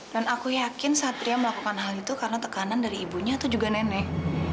dan aku yakin satria melakukan hal itu karena tekanan dari ibunya atau juga nenek